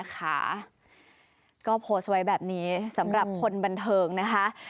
ก็โพสต์ไว้แบบนี้สำหรับคนบันเทิงนะคะ